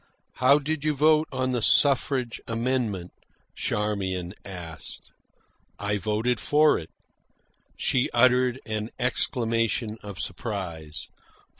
"How did you vote on the suffrage amendment?" Charmian asked. "I voted for it." She uttered an exclamation of surprise.